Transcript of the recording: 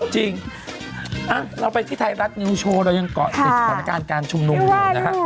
จริงอ่ะเราไปที่ไทยรัฐอินโชว์เรายังเกาะค่ะสถานการณ์การชุมนุมไม่ว่าลูก